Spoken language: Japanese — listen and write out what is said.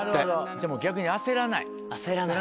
じゃあ逆に焦らない。